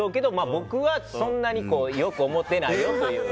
僕はそんなに良く思ってないよっていう。